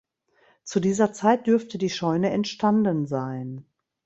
Zu dieser Zeit dürfte die Scheune entstanden sein.